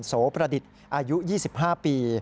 โสประดิษฐ์อายุ๒๕ปี